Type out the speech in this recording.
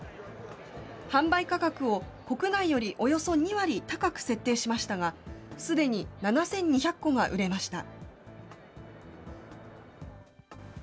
販売価格を国内よりおよそ２割高く設定しましたが、すでに７２００個が売れました。